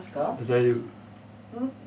大丈夫。